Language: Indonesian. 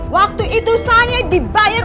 waktu itu saya dibayar